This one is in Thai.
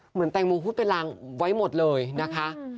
เหมือนแตงโมพูดเป็นรางไว้หมดเลยนะคะ